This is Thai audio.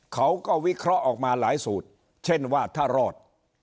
เขาก็วิเคราะห์ออกมาหลายสูตรเช่นว่าถ้ารอด